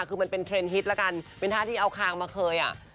คือมันเป็นเทรนดฮิตแล้วกันเป็นท่าที่เอาคางมาเคยอ่ะ